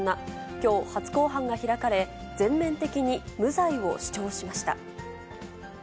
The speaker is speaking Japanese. きょう、初公判が開かれ、全面的に無罪を主張しました。